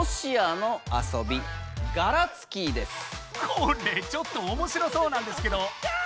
これちょっとおもしろそうなんですけど。